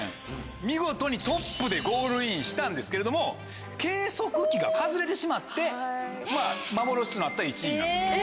見事にトップでゴールインしたんですけれども計測機が外れてしまって幻となった１位なんですけど。